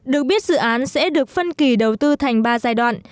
được biết dự án sẽ được phân kỳ đầu tư thành ba giai đoạn